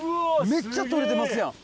めっちゃ取れてますやん。